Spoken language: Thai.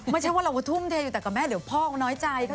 ไม่ใช่ว่าเราก็ทุ่มเทอยู่แต่กับแม่เดี๋ยวพ่อก็น้อยใจ